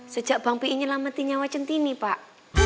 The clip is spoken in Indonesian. sejak bang p i nyelamatin nyawa centini pak